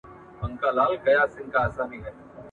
سوځول یې یو د بل کلي ښارونه ..